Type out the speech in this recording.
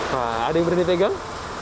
wah ada yang berani pegang